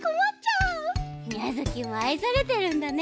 ミャヅキもあいされてるんだね！